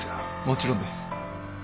もちろんです。